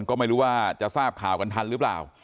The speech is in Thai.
ก็ไม่รู้ว่าจะทราบข่าวกันทันหรือเปล่า